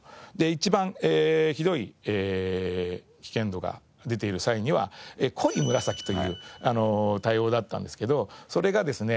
一番ひどい危険度が出ている際には濃い紫という対応だったんですけどそれがですね